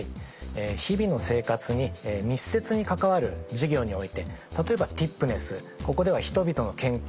日々の生活に密接に関わる事業において例えばティップネスここでは人々の健康に。